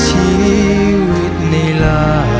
ชีวิตนี้ล่ะ